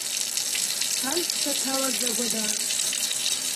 Ҭажәцәаҭалаӡагәадар.